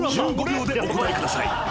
１５秒でお答えください］